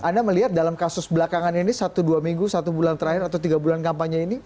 anda melihat dalam kasus belakangan ini satu dua minggu satu bulan terakhir atau tiga bulan kampanye ini